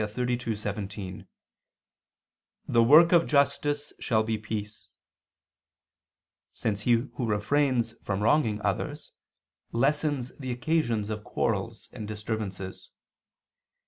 32:17, "The work of justice shall be peace": since he who refrains from wronging others lessens the occasions of quarrels and disturbances.